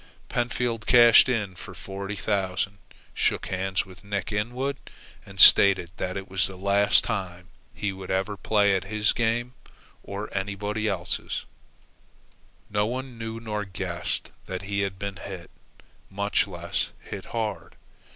Pentfield cashed in for forty thousand, shook hands with Nick Inwood, and stated that it was the last time he would ever play at his game or at anybody's else's. No one knew nor guessed that he had been hit, much less hit hard.